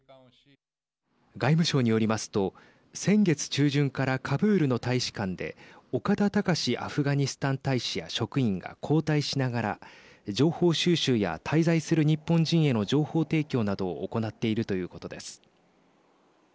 外務省によりますと先月中旬からカブールの大使館で岡田隆アフガニスタン大使や職員が交代しながら情報収集や滞在する日本人への情報提供などを行っているということです。